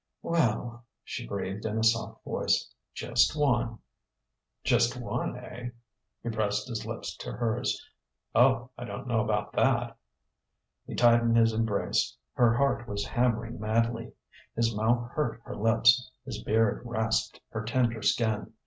"Well," she breathed in a soft voice, "just one...." "Just one, eh?" He pressed his lips to hers. "Oh, I don't know about that!" He tightened his embrace. Her heart was hammering madly. His mouth hurt her lips, his beard rasped her tender skin.